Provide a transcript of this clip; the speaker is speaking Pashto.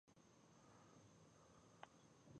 د پرازیتونو لپاره د کوم شي تخم وخورم؟